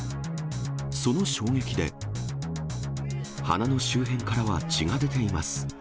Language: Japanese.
その衝撃で、鼻の周辺からは血が出ています。